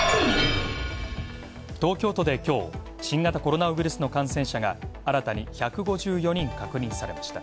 東京都で今日、新型コロナウイルスの感染者が新たに１５４人確認されました。